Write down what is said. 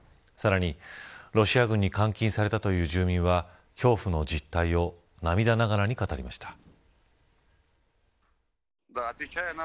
さらにロシア軍に監禁されたという住民は恐怖の実態を涙ながらに語りました。